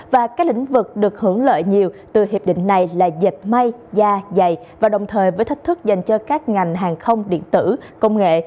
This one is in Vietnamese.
và các lĩnh vực được hưởng lợi nhiều từ hiệp định này là dịch may da dày và đồng thời với thách thức dành cho các ngành hàng không điện tử công nghệ